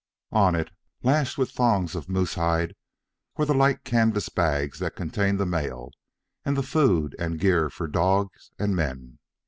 On it, lashed with thongs of moose hide, were the light canvas bags that contained the mail, and the food and gear for dogs and men.